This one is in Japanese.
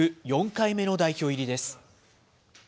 ４回目の代表入りです。